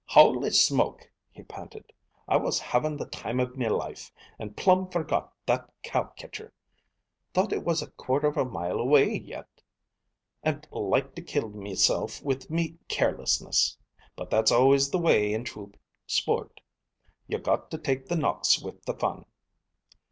"Howly smoke!" he panted. "I was havin' the time of me life, and plum forgot that cow kitcher. Thought it was a quarter of a mile away yet. And liked to killed meself with me carelessness. But that's always the way in true sport. You got to take the knocks with the fun."